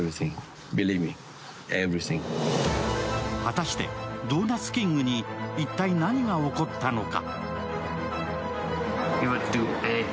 果たして、ドーナツキングに一体何が起こったのか？